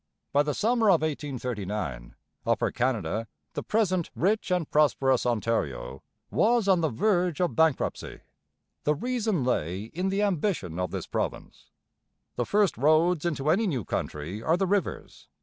By the summer of 1839 Upper Canada the present rich and prosperous Ontario was on the verge of bankruptcy. The reason lay in the ambition of this province. The first roads into any new country are the rivers.